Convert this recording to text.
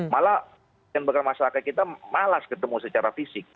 malah yang berkata masyarakat kita malas ketemu secara fisik